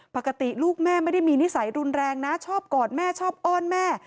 ปกติลูกแม่ไม่ได้มีนิสัยรุนแรงนะชอบกอดแม่ชอบอ้อนแม่